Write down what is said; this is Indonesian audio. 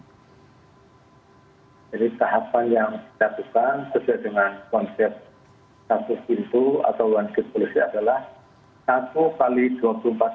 jadi tahapan yang kita lakukan terhadap konsep satu pintu atau one click policy adalah